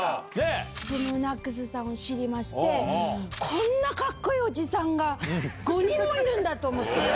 ＴＥＡＭＮＡＣＳさんを知りまして、こんなかっこいいおじさんが５人もいるんだと思って。